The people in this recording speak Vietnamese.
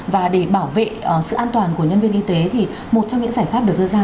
và để bảo vệ sự an toàn của nhân viên y tế thì một trong những giải pháp được đưa ra